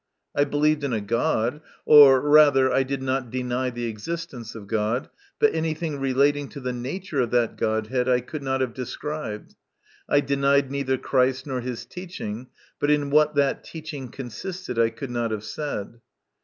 I believed in a God, or rather, I did not deny the existence of God, but anything relating to the nature of that godhead I could not have described ; I denied neither Christ nor His teaching, but in what that teaching consisted I could not have said.